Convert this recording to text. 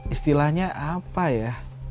istilahnya apa ya